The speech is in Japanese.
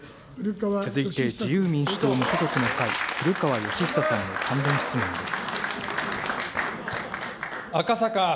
続いて自由民主党・無所属の会、古川禎久さんの関連質問です。